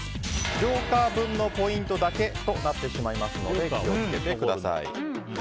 ジョーカー分のポイントだけとなってしまいますので気をつけてください！